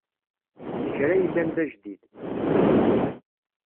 D kra yellan d ajdid.